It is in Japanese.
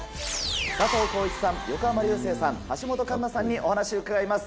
佐藤浩市さん、横浜流星さん、橋本環奈さんにお話伺います。